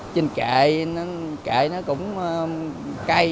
trên kệ kệ nó cũng cay